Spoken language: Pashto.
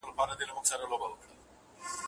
په اولس کي به دي ږغ «منظورومه »